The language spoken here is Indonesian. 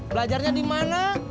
belajarnya di mana